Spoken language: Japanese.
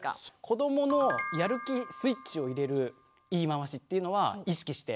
子どものやる気スイッチを入れる言い回しっていうのは意識して声かけしてて。